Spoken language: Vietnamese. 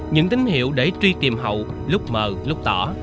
những tín hiệu để truy tìm hậu lúc mờ lúc đỏ